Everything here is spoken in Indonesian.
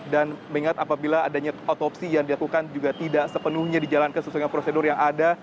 dan mengingat apabila adanya otopsi yang dilakukan juga tidak sepenuhnya dijalankan sesuai dengan prosedur yang ada